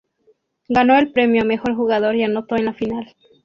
Ganó el premio a mejor jugador y anotó en la final.